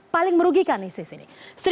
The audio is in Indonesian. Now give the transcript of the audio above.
paling merugikan isis ini